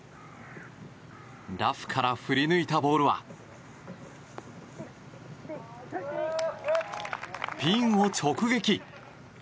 ラフから振り抜いたボールはピンを直撃。